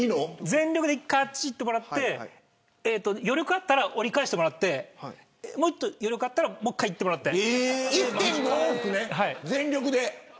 全力で１回あっちに行ってもらって余力があったら折り返してもらってもっと余力があったらもう１回、行ってもらって。